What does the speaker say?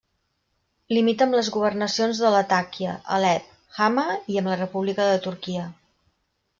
Limita amb les governacions de Latakia, Alep, Hama, i amb la República de Turquia.